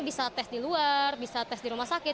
bisa tes di luar bisa tes di rumah sakit